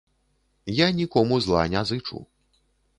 Я нікому зла не зычу.